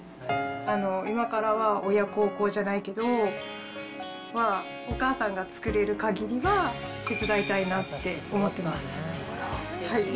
今からは親孝行じゃないけど、お母さんが作れるかぎりは手伝いたいなって思ってます。